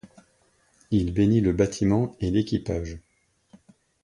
Il bénit le bâtiment et l'équipage.